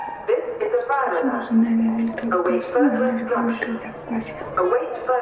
Es originaria del Cáucaso en la República de Abjasia.